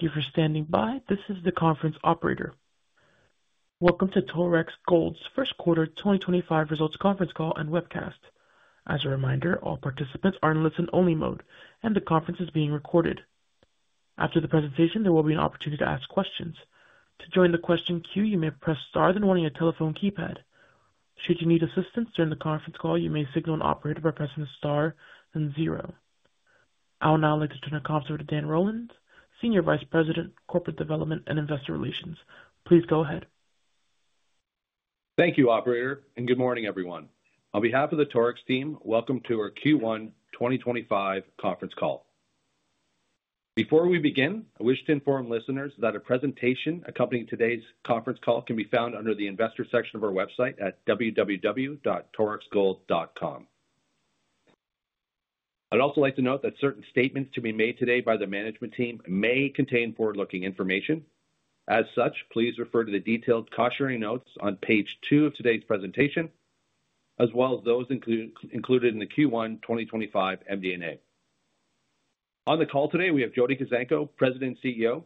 Thank you for standing by. This is the conference operator. Welcome to Torex Gold's first quarter 2025 results conference call and webcast. As a reminder, all participants are in listen-only mode, and the conference is being recorded. After the presentation, there will be an opportunity to ask questions. To join the question queue, you may press star then one on your telephone keypad. Should you need assistance during the conference call, you may signal an operator by pressing the star and zero. I would now like to turn the conference over to Dan Rollins, Senior Vice President, Corporate Development and Investor Relations. Please go ahead. Thank you, Operator, and good morning, everyone. On behalf of the Torex team, welcome to our Q1 2025 conference call. Before we begin, I wish to inform listeners that a presentation accompanying today's conference call can be found under the investor section of our website at www.torexgold.com. I'd also like to note that certain statements to be made today by the management team may contain forward-looking information. As such, please refer to the detailed cost-sharing notes on page two of today's presentation, as well as those included in the Q1 2025 MD&A. On the call today, we have Jody Kuzenko, President and CEO,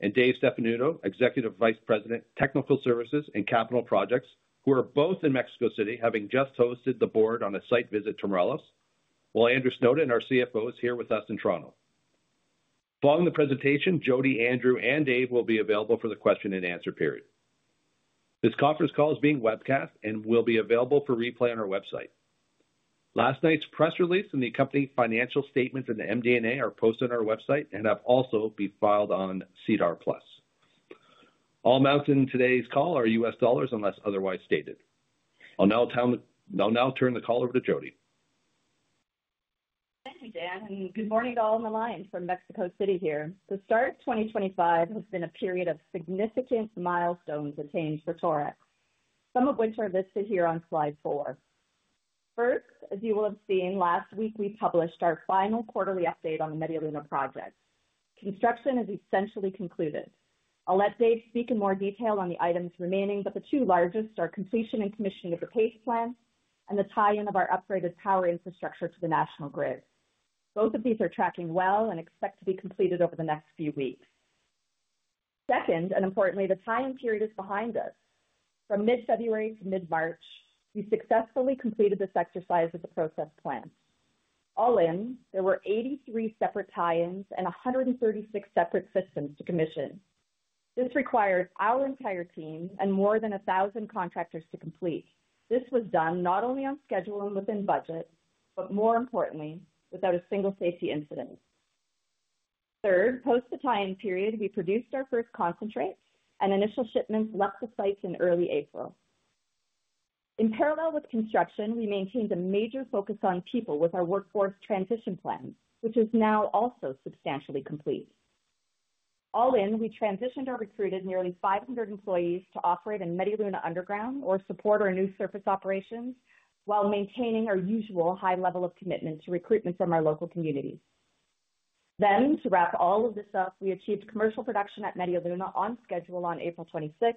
and Dave Stefanuto, Executive Vice President, Technical Services and Capital Projects, who are both in Mexico City, having just hosted the board on a site visit to Morelos, while Andrew Snowden, our CFO, is here with us in Toronto. Following the presentation, Jody, Andrew, and Dave will be available for the question-and-answer period. This conference call is being webcast and will be available for replay on our website. Last night's press release and the company financial statements and MD&A are posted on our website and have also been filed on SEDAR+. All amounts in today's call are U.S. dollars unless otherwise stated. I'll now turn the call over to Jody. Thank you, Dan, and good morning to all on the line from Mexico City here. To start, 2025 has been a period of significant milestones attained for Torex, some of which are listed here on slide four. First, as you will have seen, last week we published our final quarterly update on the Media Luna project. Construction is essentially concluded. I'll let Dave speak in more detail on the items remaining, but the two largest are completion and commissioning of the P.A.C.E. plant and the tie-in of our upgraded power infrastructure to the national grid. Both of these are tracking well and expect to be completed over the next few weeks. Second, and importantly, the tie-in period is behind us. From mid-February to mid-March, we successfully completed this exercise with the process plant. All in, there were 83 separate tie-ins and 136 separate systems to commission. This required our entire team and more than 1,000 contractors to complete. This was done not only on schedule and within budget, but more importantly, without a single safety incident. Third, post the tie-in period, we produced our first concentrates and initial shipments left the site in early April. In parallel with construction, we maintained a major focus on people with our workforce transition plan, which is now also substantially complete. All in, we transitioned or recruited nearly 500 employees to operate in Media Luna Underground or support our new surface operations while maintaining our usual high level of commitment to recruitment from our local communities. To wrap all of this up, we achieved commercial production at Media Luna on schedule on April 26th.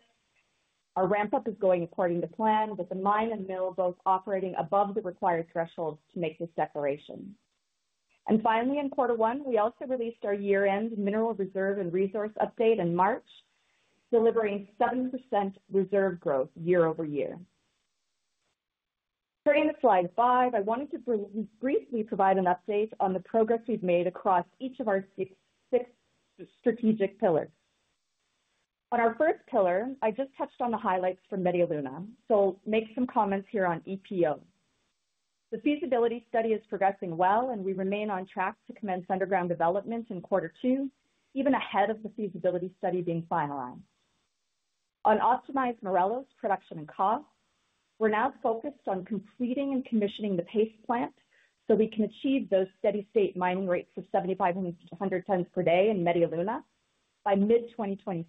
Our ramp-up is going according to plan, with the mine and mill both operating above the required thresholds to make this declaration. Finally, in quarter one, we also released our year-end mineral reserve and resource update in March, delivering 7% reserve growth year-over-year. Turning to slide five, I wanted to briefly provide an update on the progress we've made across each of our six strategic pillars. On our first pillar, I just touched on the highlights for Media Luna, so I'll make some comments here on EPO. The feasibility study is progressing well, and we remain on track to commence underground development in quarter two, even ahead of the feasibility study being finalized. On optimized Morelos production and cost, we're now focused on completing and commissioning the P.A.C.E. plant so we can achieve those steady-state mining rates of 7,500 tons per day in Media Luna by mid-2026.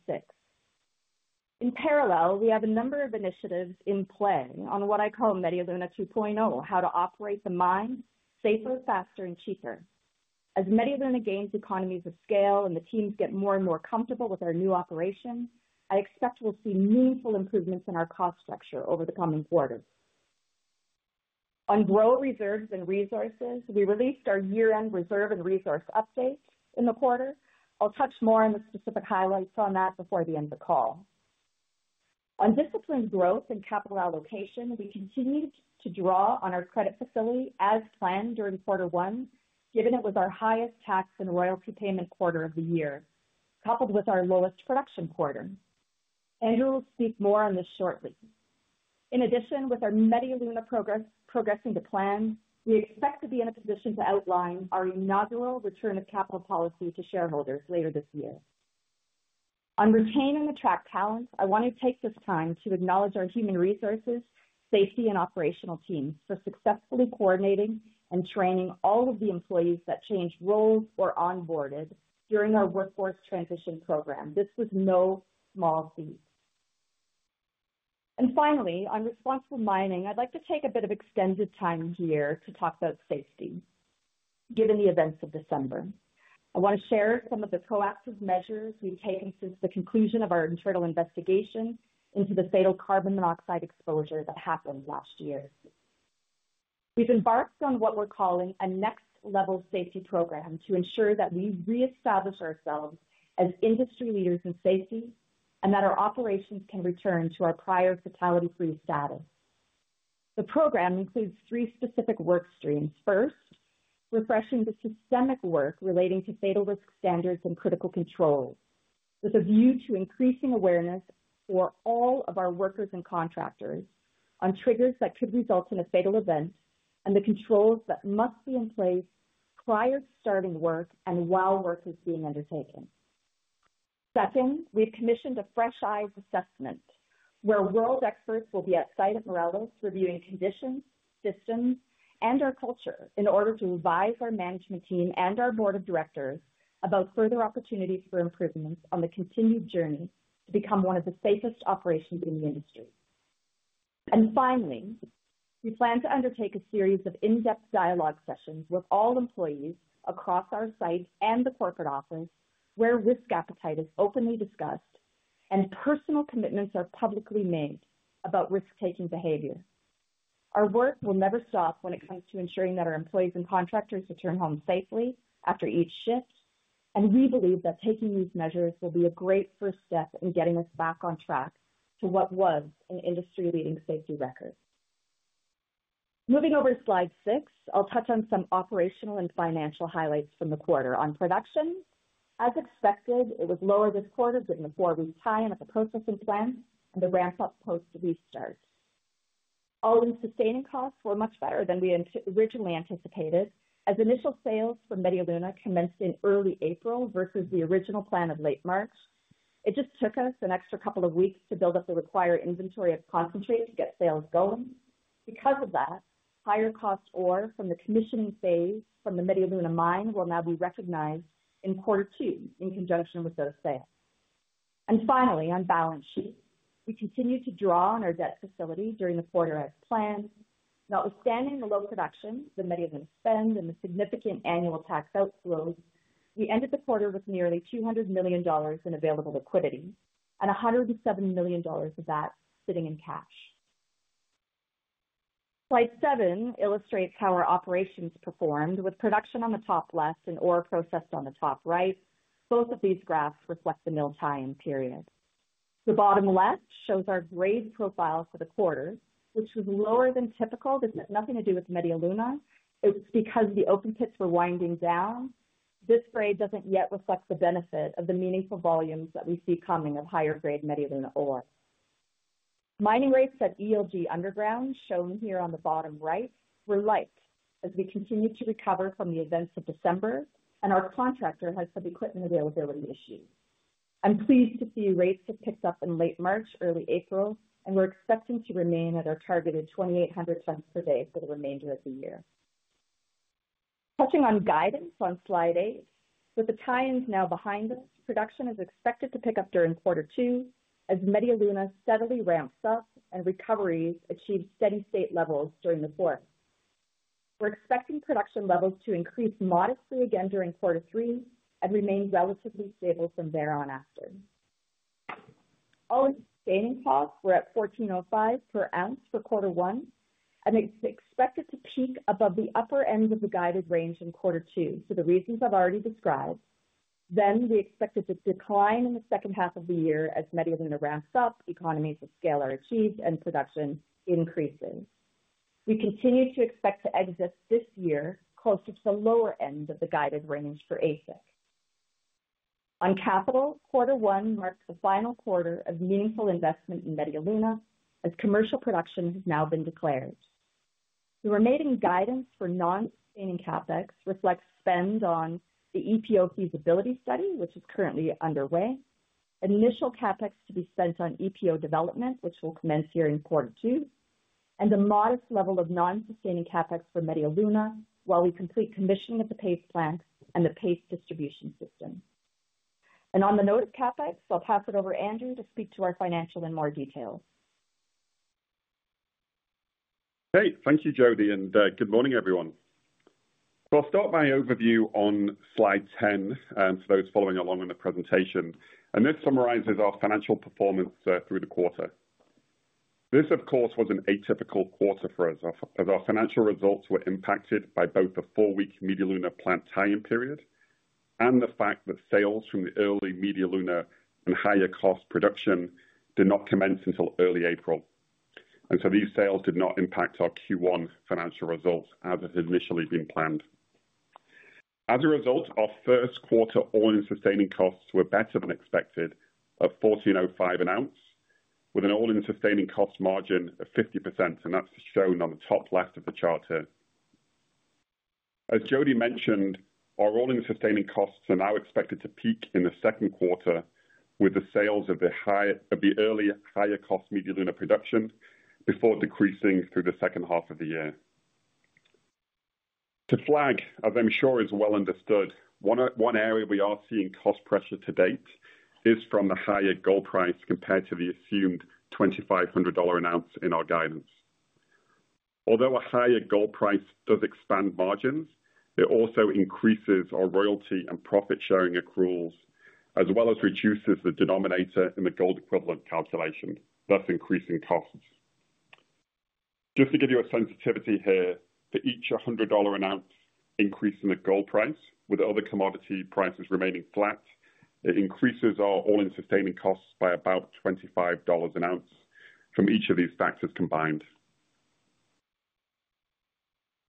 In parallel, we have a number of initiatives in play on what I call Media Luna 2.0, how to operate the mine safer, faster, and cheaper. As Media Luna gains economies of scale and the teams get more and more comfortable with our new operation, I expect we'll see meaningful improvements in our cost structure over the coming quarter. On growth reserves and resources, we released our year-end reserve and resource update in the quarter. I'll touch more on the specific highlights on that before the end of the call. On disciplined growth and capital allocation, we continued to draw on our credit facility as planned during quarter one, given it was our highest tax and royalty payment quarter of the year, coupled with our lowest production quarter. Andrew will speak more on this shortly. In addition, with our Media Luna progressing to plan, we expect to be in a position to outline our inaugural return of capital policy to shareholders later this year. On retaining and attracting talent, I want to take this time to acknowledge our human resources, safety, and operational teams for successfully coordinating and training all of the employees that changed roles or onboarded during our workforce transition program. This was no small feat. Finally, on responsible mining, I'd like to take a bit of extended time here to talk about safety, given the events of December. I want to share some of the proactive measures we've taken since the conclusion of our internal investigation into the fatal carbon monoxide exposure that happened last year. We've embarked on what we're calling a next-level safety program to ensure that we reestablish ourselves as industry leaders in safety and that our operations can return to our prior fatality-free status. The program includes three specific work streams. First, refreshing the systemic work relating to fatal risk standards and critical controls, with a view to increasing awareness for all of our workers and contractors on triggers that could result in a fatal event and the controls that must be in place prior to starting work and while work is being undertaken. Second, we've commissioned a fresh eyes assessment where world experts will be at site at Morelos reviewing conditions, systems, and our culture in order to advise our management team and our board of directors about further opportunities for improvements on the continued journey to become one of the safest operations in the industry. Finally, we plan to undertake a series of in-depth dialogue sessions with all employees across our site and the corporate office where risk appetite is openly discussed and personal commitments are publicly made about risk-taking behavior. Our work will never stop when it comes to ensuring that our employees and contractors return home safely after each shift, and we believe that taking these measures will be a great first step in getting us back on track to what was an industry-leading safety record. Moving over to slide six, I'll touch on some operational and financial highlights from the quarter. On production, as expected, it was lower this quarter given the four-week tie-in at the processing plant and the ramp-up post-restart. All-in sustaining costs were much better than we originally anticipated, as initial sales for Media Luna commenced in early April versus the original plan of late March. It just took us an extra couple of weeks to build up the required inventory of concentrates to get sales going. Because of that, higher-cost ore from the commissioning phase from the Media Luna mine will now be recognized in quarter two in conjunction with those sales. Finally, on balance sheet, we continue to draw on our debt facility during the quarter as planned. Notwithstanding the low production, the Media Luna spend, and the significant annual tax outflows, we ended the quarter with nearly $200 million in available liquidity and $107 million of that sitting in cash. Slide seven illustrates how our operations performed, with production on the top left and ore processed on the top right. Both of these graphs reflect the mill tie-in period. The bottom left shows our grade profile for the quarter, which was lower than typical. This has nothing to do with Media Luna. It's because the open pits were winding down. This grade doesn't yet reflect the benefit of the meaningful volumes that we see coming of higher-grade Media Luna ore. Mining rates at ELG Underground, shown here on the bottom right, were light as we continue to recover from the events of December, and our contractor has had equipment availability issues. I'm pleased to see rates have picked up in late March, early April, and we're expecting to remain at our targeted 2,800 tons per day for the remainder of the year. Touching on guidance on slide eight, with the tie-ins now behind us, production is expected to pick up during quarter two as Media Luna steadily ramps up and recoveries achieve steady-state levels during the fourth. We're expecting production levels to increase modestly again during quarter three and remain relatively stable from there on after. All-in sustaining costs were at $1,405 per ounce for quarter one, and it's expected to peak above the upper end of the guided range in quarter two for the reasons I've already described. We expect a decline in the second half of the year as Media Luna ramps up, economies of scale are achieved, and production increases. We continue to expect to exit this year closer to the lower end of the guided range for AISC. On capital, quarter one marked the final quarter of meaningful investment in Media Luna as commercial production has now been declared. The remaining guidance for non-sustaining CapEx reflects spend on the EPO feasibility study, which is currently underway, initial CapEx to be spent on EPO development, which will commence here in quarter two, and the modest level of non-sustaining CapEx for Media Luna while we complete commissioning of the P.A.C.E. plant and the P.A.C.E. distribution system. On the note of CapEx, I'll pass it over to Andrew to speak to our financial in more detail. Great. Thank you, Jody, and good morning, everyone. I'll start my overview on slide 10 for those following along in the presentation. This summarizes our financial performance through the quarter. This, of course, was an atypical quarter for us, as our financial results were impacted by both the four-week Media Luna plant tie-in period and the fact that sales from the early Media Luna and higher-cost production did not commence until early April. These sales did not impact our Q1 financial results as it had initially been planned. As a result, our first quarter all-in sustaining costs were better than expected at $1,405 an ounce, with an all-in sustaining cost margin of 50%, and that's shown on the top left of the chart here. As Jody mentioned, our all-in sustaining costs are now expected to peak in the second quarter with the sales of the early higher-cost Media Luna production before decreasing through the second half of the year. To flag, as I'm sure is well understood, one area we are seeing cost pressure to date is from the higher gold price compared to the assumed $2,500 an ounce in our guidance. Although a higher gold price does expand margins, it also increases our royalty and profit-sharing accruals, as well as reduces the denominator in the gold-equivalent calculation, thus increasing costs. Just to give you a sensitivity here, for each $100 an ounce increase in the gold price, with other commodity prices remaining flat, it increases our all-in sustaining costs by about $25 an ounce from each of these factors combined.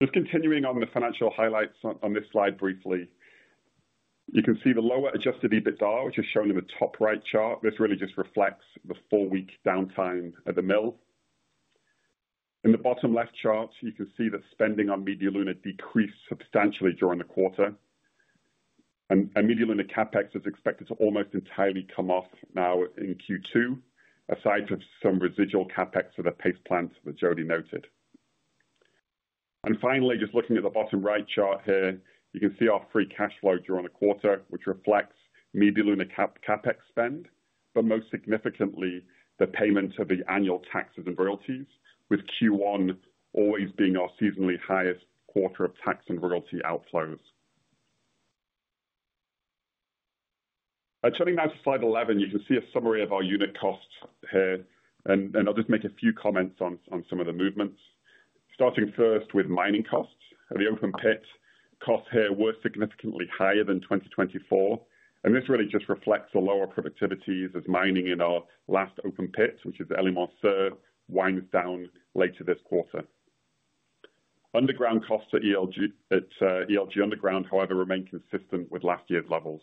Just continuing on the financial highlights on this slide briefly, you can see the lower adjusted EBITDA, which is shown in the top right chart. This really just reflects the four-week downtime at the mill. In the bottom left chart, you can see that spending on Media Luna decreased substantially during the quarter, and Media Luna CapEx is expected to almost entirely come off now in Q2, aside from some residual CapEx for the P.A.C.E. plant that Jody noted. Finally, just looking at the bottom right chart here, you can see our free cash flow during the quarter, which reflects Media Luna CapEx spend, but most significantly, the payment of the annual taxes and royalties, with Q1 always being our seasonally highest quarter of tax-and-royalty outflows. Turning now to slide 11, you can see a summary of our unit costs here, and I'll just make a few comments on some of the movements. Starting first with mining costs. The open pit costs here were significantly higher than 2024, and this really just reflects the lower productivities as mining in our last open pit, which is Allemancer, winds down later this quarter. Underground costs at ELG Underground, however, remain consistent with last year's levels.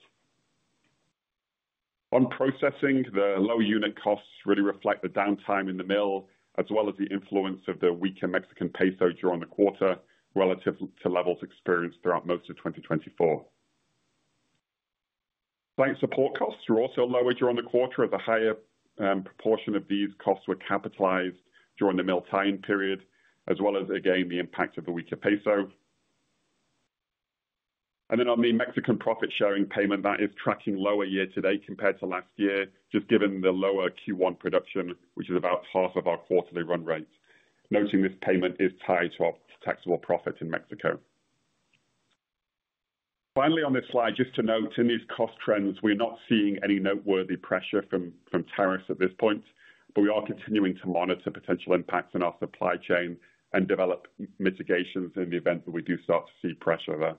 On processing, the low unit costs really reflect the downtime in the mill, as well as the influence of the weaker Mexican peso during the quarter relative to levels experienced throughout most of 2024. Plant support costs were also lower during the quarter, as a higher proportion of these costs were capitalized during the mill tie-in period, as well as, again, the impact of the weaker peso. On the Mexican profit-sharing payment, that is tracking lower year-to-date compared to last year, just given the lower Q1 production, which is about half of our quarterly run rate. Noting this payment is tied to our taxable profit in Mexico. Finally, on this slide, just to note, in these cost trends, we are not seeing any noteworthy pressure from tariffs at this point, but we are continuing to monitor potential impacts in our supply chain and develop mitigations in the event that we do start to see pressure there.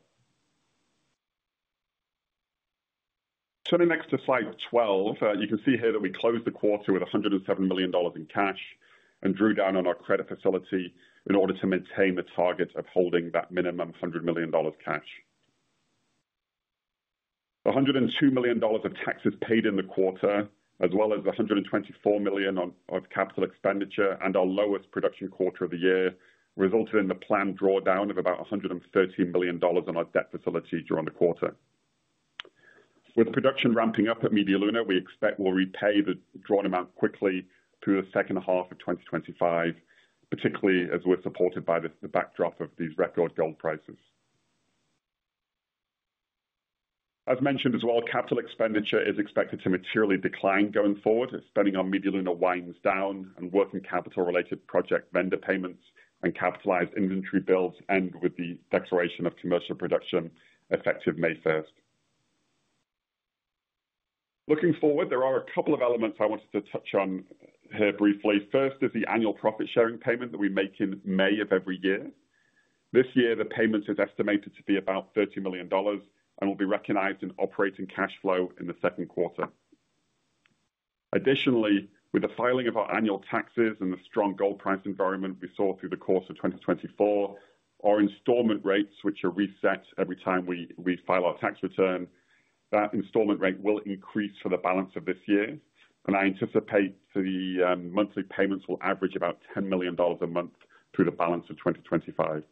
Turning next to slide 12, you can see here that we closed the quarter with $107 million in cash and drew down on our credit facility in order to maintain the target of holding that minimum $100 million cash. $102 million of taxes paid in the quarter, as well as the $124 million of capital expenditure and our lowest production quarter of the year, resulted in the planned drawdown of about $130 million on our debt facility during the quarter. With production ramping up at Media Luna, we expect we'll repay the drawn amount quickly through the second half of 2025, particularly as we're supported by the backdrop of these record gold prices. As mentioned as well, capital expenditure is expected to materially decline going forward as spending on Media Luna winds down, and working capital-related project vendor payments and capitalized inventory bills end with the declaration of commercial production effective May 1st. Looking forward, there are a couple of elements I wanted to touch on here briefly. First is the annual profit-sharing payment that we make in May of every year. This year, the payment is estimated to be about $30 million and will be recognized in operating cash flow in the second quarter. Additionally, with the filing of our annual taxes and the strong gold price environment we saw through the course of 2024, our installment rates, which are reset every time we file our tax return, that installment rate will increase for the balance of this year, and I anticipate the monthly payments will average about $10 million a month through the balance of 2025.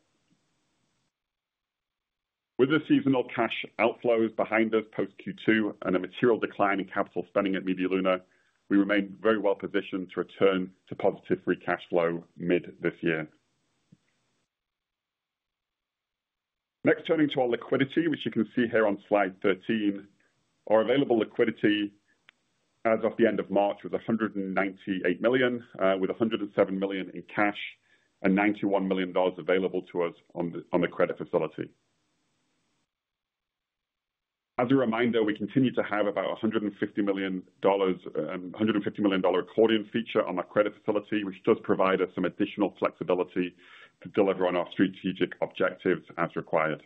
With the seasonal cash outflows behind us post Q2 and a material decline in capital spending at Media Luna, we remain very well positioned to return to positive free cash flow mid this year. Next, turning to our liquidity, which you can see here on slide 13, our available liquidity as of the end of March was $198 million, with $107 million in cash and $91 million available to us on the credit facility. As a reminder, we continue to have about $150 million accordion feature on our credit facility, which does provide us some additional flexibility to deliver on our strategic objectives as required.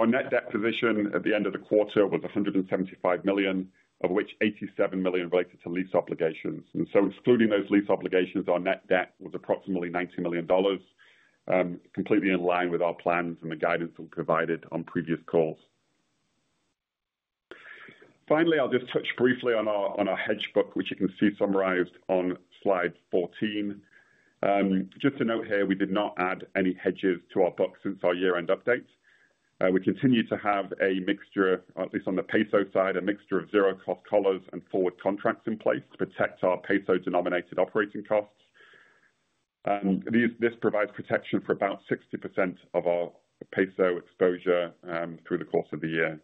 Our net debt position at the end of the quarter was $175 million, of which $87 million related to lease obligations. Excluding those lease obligations, our net debt was approximately $90 million, completely in line with our plans and the guidance we provided on previous calls. Finally, I'll just touch briefly on our hedge book, which you can see summarized on slide 14. Just to note here, we did not add any hedges to our book since our year-end update. We continue to have a mixture, at least on the peso side, a mixture of zero-cost collars and forward contracts in place to protect our peso denominated operating costs. This provides protection for about 60% of our peso exposure through the course of the year.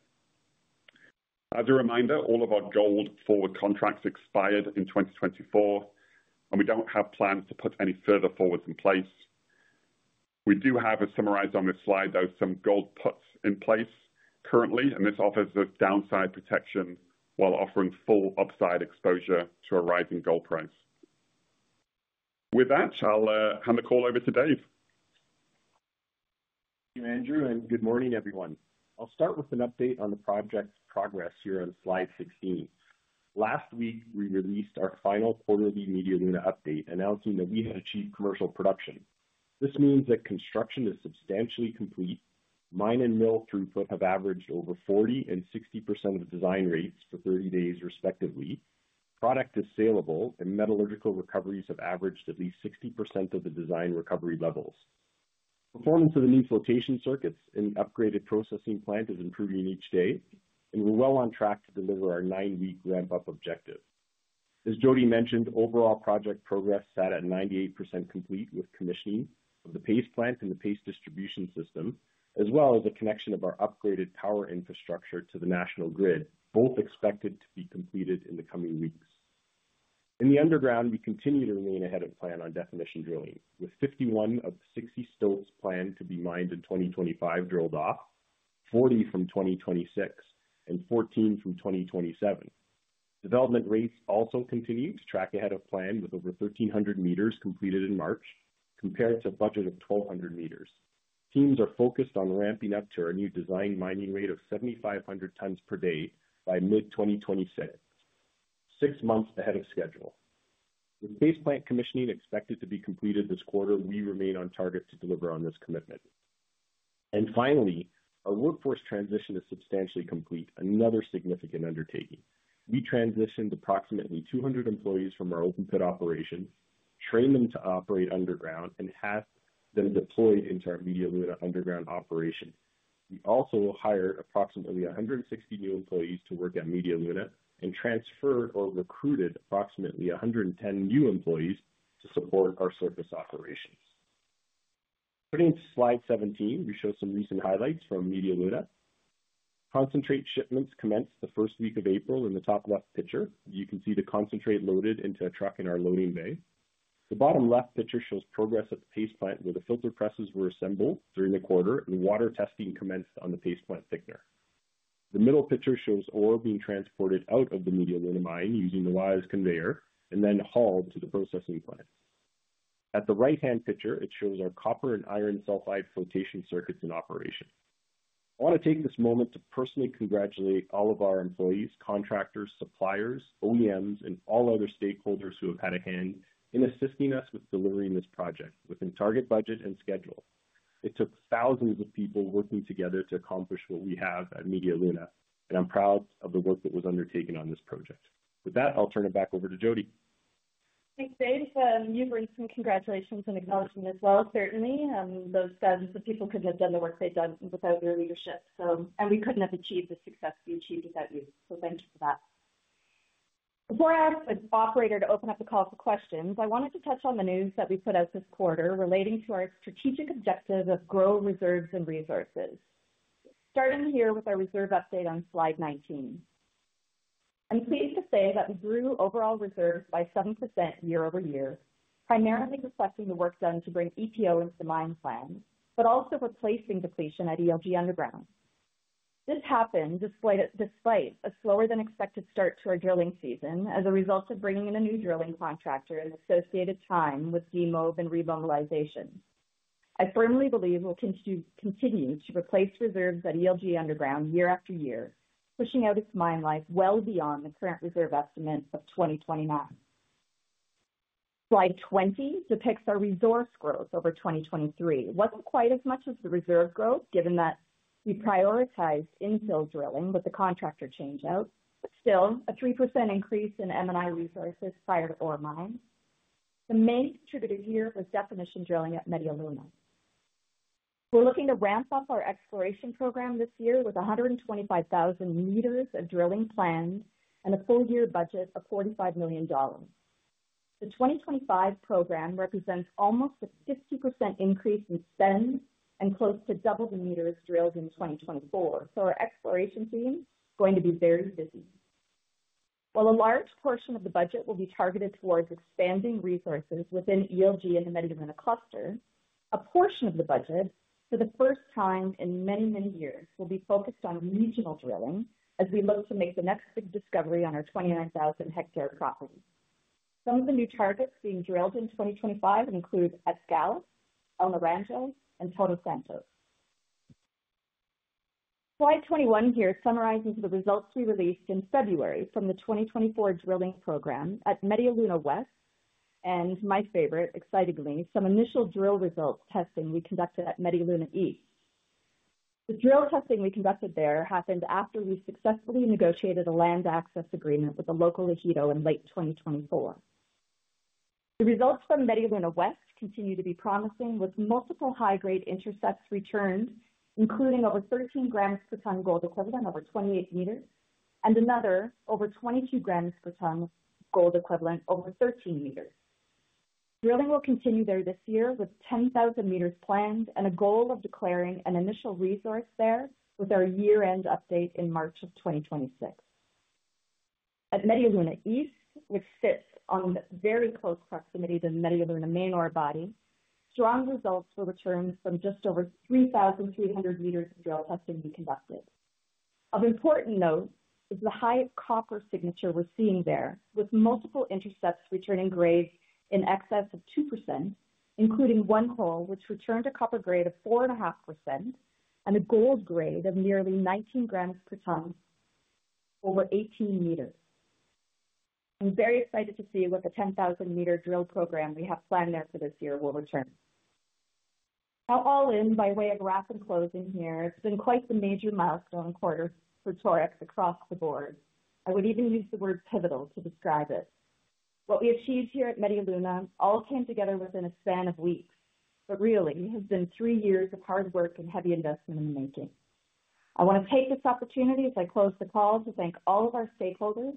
As a reminder, all of our gold forward contracts expired in 2024, and we do not have plans to put any further forwards in place. We do have, as summarized on this slide, though, some gold puts in place currently, and this offers us downside protection while offering full upside exposure to a rising gold price. With that, I will hand the call over to Dave. Thank you, Andrew, and good morning, everyone. I'll start with an update on the project's progress here on slide 16. Last week, we released our final quarterly Media Luna update announcing that we had achieved commercial production. This means that construction is substantially complete, mine and mill throughput have averaged over 40% and 60% of design-rates for 30 days, respectively, product is saleable, and metallurgical recoveries have averaged at least 60% of the design recovery levels. Performance of the new flotation circuits in the upgraded processing plant is improving each day, and we're well on track to deliver our nine-week Ramp-Up Objective. As Jody mentioned, overall project progress sat at 98% complete with commissioning of the P.A.C.E. plant and the P.A.C.E. distribution system, as well as the connection of our upgraded power infrastructure to the national grid, both expected to be completed in the coming weeks. In the underground, we continue to remain ahead of plan on definition drilling, with 51 of 60 stropes planned to be mined in 2025 drilled off, 40 from 2026, and 14 from 2027. Development rates also continue to track ahead of plan, with over 1,300 meters completed in March compared to a budget of 1,200 meters. Teams are focused on ramping up to our new design mining rate of 7,500 tons per day by mid-2026, six months ahead of schedule. With P.A.C.E. plant commissioning expected to be completed this quarter, we remain on target to deliver on this commitment. Finally, our workforce transition is substantially complete, another significant undertaking. We transitioned approximately 200 employees from our Open Pit Operation, trained them to operate underground, and have them deployed into our Media Luna Underground Operation. We also will hire approximately 160 new employees to work at Media Luna and transferred or recruited approximately 110 new employees to support our surface operations. Putting to slide 17, we show some recent highlights from Media Luna. Concentrate shipment commenced the first week of April. In the top left picture, you can see the concentrate loaded into a truck in our loading bay. The bottom left picture shows progress at the P.A.C.E. plant where the filter presses were assembled during the quarter, and water testing commenced on the P.A.C.E. plant thickener. The middle picture shows ore being transported out of the Media Luna mine using the WiSE conveyor and then hauled to the processing plant. At the right-hand picture, it shows our copper and iron-sulfide flotation circuits in operation. I want to take this moment to personally congratulate all of our employees, contractors, suppliers, OEMs, and all other stakeholders who have had a hand in assisting us with delivering this project within target budget and schedule. It took thousands of people working together to accomplish what we have at Media Luna, and I'm proud of the work that was undertaken on this project. With that, I'll turn it back over to Jody. Thanks, Dave. You've earned some congratulations and acknowledgment as well, certainly. Those thousands of people couldn't have done the work they've done without your leadership, and we couldn't have achieved the success we achieved without you. Thank you for that. Before I ask an operator to open up the call for questions, I wanted to touch on the news that we put out this quarter relating to our strategic objective of grow reserves and resources. Starting here with our Reserve Update on slide 19. I'm pleased to say that we grew overall reserves by 7% year-over-year, primarily reflecting the work done to bring EPO into the mine plan, but also replacing depletion at ELG Underground. This happened despite a slower-than-expected start to our drilling season as a result of bringing in a new drilling contractor and associated time with de-mob and remobilization. I firmly believe we'll continue to replace reserves at ELG Underground year after year, pushing out its mine life well beyond the current reserve estimate of 2029. Slide 20 depicts our Resource Growth over 2023. It wasn't quite as much as the reserve growth, given that we prioritized infill drilling with the contractor changeout, but still a 3% increase in M&I resources prior to ore mine. The main contributor here was Definition Drilling at Media Luna. We're looking to ramp up our exploration program this year with 125,000 meters of drilling planned and a full-year budget of $45 million. The 2025 program represents almost a 50% increase in spend and close to double the meters drilled in 2024. Our exploration team is going to be very busy. While a large portion of the budget will be targeted towards expanding resources within ELG and the Media Luna cluster, a portion of the budget, for the first time in many, many years, will be focused on regional drilling as we look to make the next big discovery on our 29,000-hectare property. Some of the new targets being drilled in 2025 include Escalip, El Naranjo, and Todos Santos. Slide 21 here summarizes the results we released in February from the 2024 drilling program at Media Luna West and, my favorite, excitingly, some initial drill results testing we conducted at Media Luna East. The drill testing we conducted there happened after we successfully negotiated a land access agreement with the local ejido in late 2024. The results from Media Luna West continue to be promising, with multiple high-grade intercepts returned, including over 13 grams per tonne gold-equivalent over 28 meters and another over 22 grams per tonne gold-equivalent over 13 meters. Drilling will continue there this year with 10,000 meters planned and a goal of declaring an initial resource there with our year-end update in March of 2026. At Media Luna East, which sits in very close proximity to the Media Luna main ore body, strong results were returned from just over 3,300 meters of drill testing we conducted. Of important note is the high copper signature we're seeing there, with multiple intercepts returning grades in excess of 2%, including one hole which returned a copper grade of 4.5% and a gold grade of nearly 19 grams per tonne over 18 meters. I'm very excited to see what the 10,000-meter drill program we have planned there for this year will return. Now, all in, by way of wrap and closing here, it's been quite the major milestone quarter for Torex across the board. I would even use the word pivotal to describe it. What we achieved here at Media Luna all came together within a span of weeks, but really has been three years of hard work and heavy investment in the making. I want to take this opportunity as I close the call to thank all of our stakeholders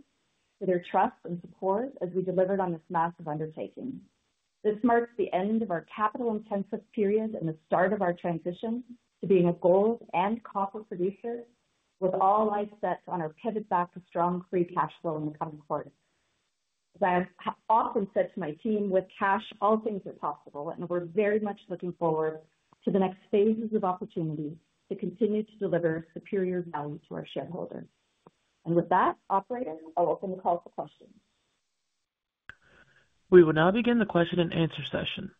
for their trust and support as we delivered on this massive undertaking. This marks the end of our capital-intensive period and the start of our transition to being a gold and copper producer, with all eyes set on our pivot back to strong free cash flow in the coming quarter. As I have often said to my team, with cash, all things are possible, and we're very much looking forward to the next phases of opportunity to continue to deliver superior value to our shareholders. With that, operator, I'll open the call for questions. We will now begin the question and answer session.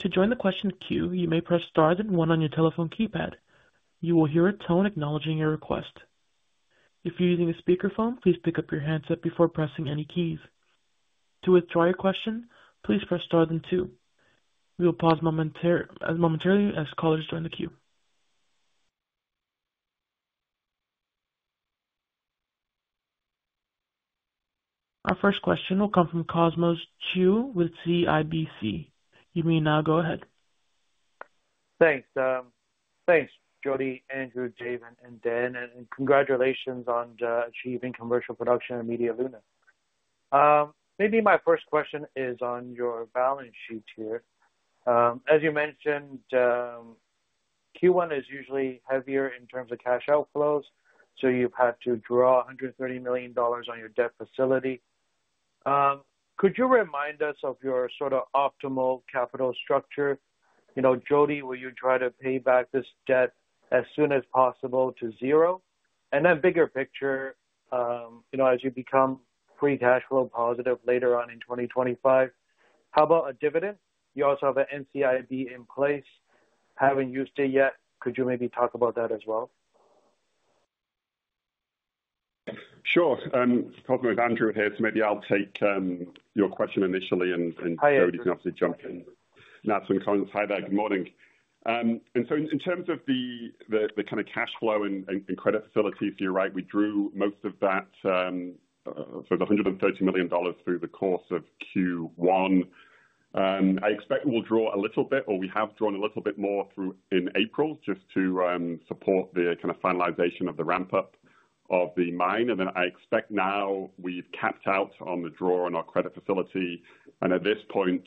To join the question queue, you may press star then one on your telephone keypad. You will hear a tone acknowledging your request. If you're using a speakerphone, please pick up your handset before pressing any keys. To withdraw your question, please press star then two. We will pause momentarily as callers join the queue. Our first question will come from Cosmos Chiu with CIBC. You may now go ahead. Thanks. Thanks, Jody, Andrew, Jayven, and Dan, and congratulations on achieving commercial production at Media Luna. Maybe my first question is on your balance sheet here. As you mentioned, Q1 is usually heavier in terms of cash outflows, so you've had to draw $130 million on your debt facility. Could you remind us of your sort of optimal capital structure? Jody, will you try to pay back this debt as soon as possible to zero? Bigger picture, as you become free cash flow positive later on in 2025, how about a dividend? You also have an NCIB in place. Haven't used it yet. Could you maybe talk about that as well? Sure. I'm talking with Andrew here, so maybe I'll take your question initially, and Jody can obviously jump in. Hi, Andrew. Hi there. Good morning. In terms of the kind of cash flow and credit facilities, you're right, we drew most of that, so it was $130 million through the course of Q1. I expect we'll draw a little bit, or we have drawn a little bit more in April, just to support the kind of finalization of the ramp-up of the mine. I expect now we've capped out on the draw on our credit facility, and at this point,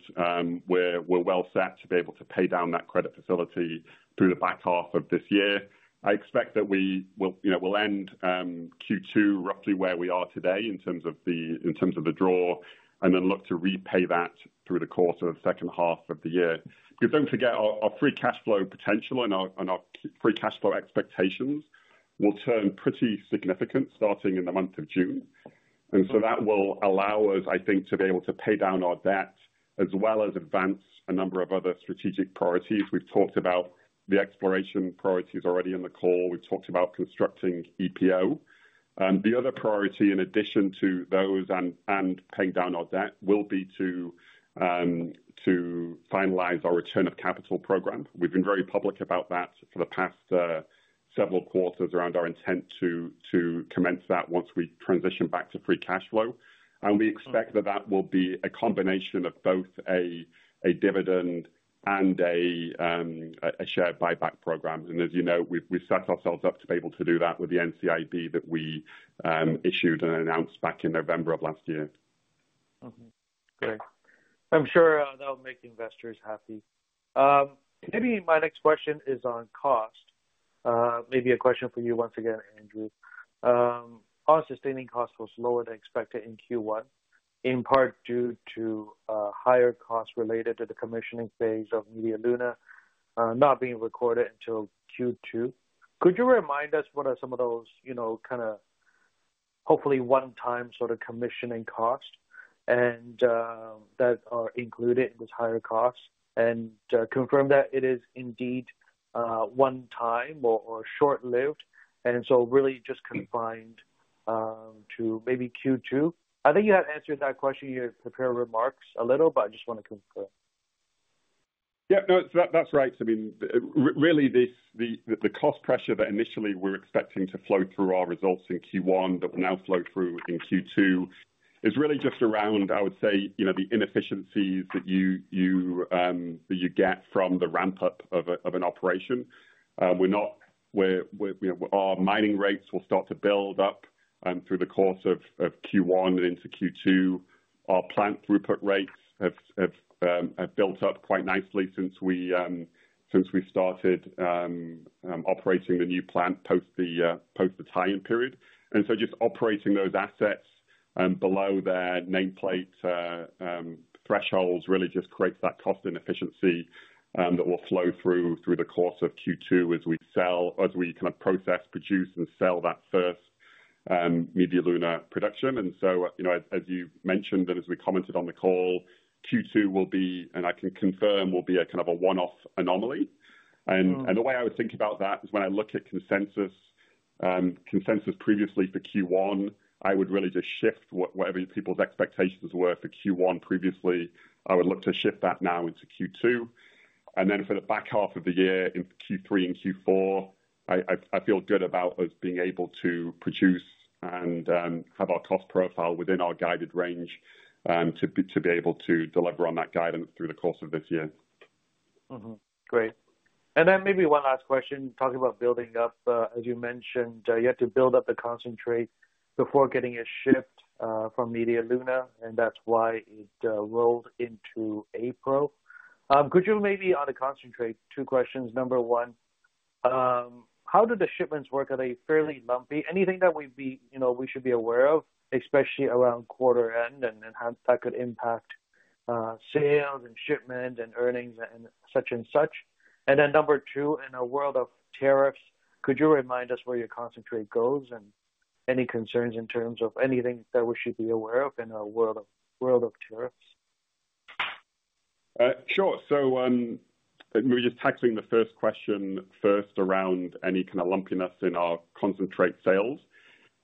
we're well set to be able to pay down that credit facility through the back half of this year. I expect that we will end Q2 roughly where we are today in terms of the draw, and then look to repay that through the course of the second half of the year. Because do not forget, our free cash flow potential and our free cash flow expectations will turn pretty significant starting in the month of June. That will allow us, I think, to be able to pay down our debt as well as advance a number of other strategic priorities. We have talked about the exploration priorities already in the call. We have talked about constructing EPO. The other priority, in addition to those and paying down our debt, will be to finalize our return of capital program. We have been very public about that for the past several quarters around our intent to commence that once we transition back to free cash flow. We expect that that will be a combination of both a dividend and a share buyback program. As you know, we've set ourselves up to be able to do that with the NCIB that we issued and announced back in November of last year. Okay. Great. I'm sure that'll make investors happy. Maybe my next question is on cost. Maybe a question for you once again, Andrew. Are sustaining costs lower than expected in Q1, in part due to higher costs related to the commissioning phase of Media Luna not being recorded until Q2? Could you remind us what are some of those kind of hopefully one-time sort of commissioning costs that are included in this higher cost? And confirm that it is indeed one-time or short-lived, and so really just confined to maybe Q2? I think you had answered that question in your prepared remarks a little, but I just want to confirm. Yeah, no, that's right. I mean, really, the cost pressure that initially we're expecting to flow through our results in Q1 that will now flow through in Q2 is really just around, I would say, the inefficiencies that you get from the ramp-up of an operation. Our mining rates will start to build up through the course of Q1 and into Q2. Our plant throughput rates have built up quite nicely since we started operating the new plant post the tie-in period. Just operating those assets below their nameplate thresholds really just creates that cost inefficiency that will flow through the course of Q2 as we kind of process, produce, and sell that first Media Luna production. As you mentioned and as we commented on the call, Q2 will be, and I can confirm, will be a kind of a one-off anomaly. The way I would think about that is when I look at consensus previously for Q1, I would really just shift whatever people's expectations were for Q1 previously. I would look to shift that now into Q2. For the back half of the year, in Q3 and Q4, I feel good about us being able to produce and have our cost profile within our guided range to be able to deliver on that guidance through the course of this year. Great. Maybe one last question, talking about building up. As you mentioned, you had to build up the concentrate before getting a shipment from Media Luna, and that's why it rolled into April. Could you, maybe on concentrate, two questions? Number one, how do the shipments work? Are they fairly lumpy? Anything that we should be aware of, especially around quarter end, and how that could impact sales and shipment and earnings and such and such? Number two, in a world of tariffs, could you remind us where your concentrate goes and any concerns in terms of anything that we should be aware of in a world of tariffs? Sure. We are just tackling the first question first around any kind of lumpiness in our concentrate sales.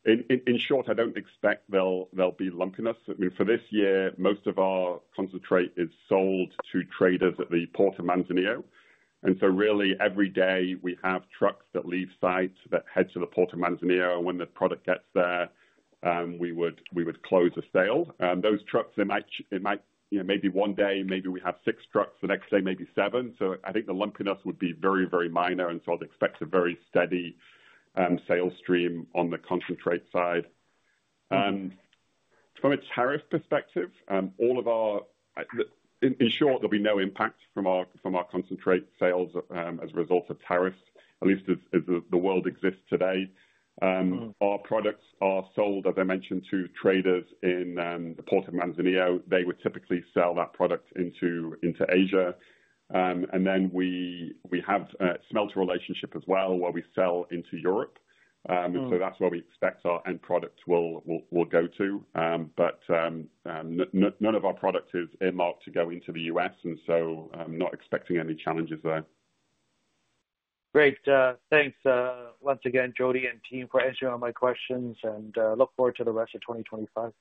In short, I do not expect there will be lumpiness. I mean, for this year, most of our concentrate is sold to traders at the Port of Manzanillo. Every day, we have trucks that leave site that head to the Port of Manzanillo, and when the product gets there, we would close the sale. Those trucks, it might be one day, maybe we have six trucks, the next day, maybe seven. I think the lumpiness would be very, very minor, and I would expect a very steady sales stream on the concentrate side. From a tariff perspective, all of our—in short, there will be no impact from our concentrate sales as a result of tariffs, at least as the world exists today. Our products are sold, as I mentioned, to traders in the Port of Manzanillo. They would typically sell that product into Asia. We have a smelter relationship as well where we sell into Europe. That is where we expect our end product will go to. None of our product is earmarked to go into the U.S., and I am not expecting any challenges there. Great. Thanks once again, Jody and team, for answering all my questions, and look forward to the rest of 2025.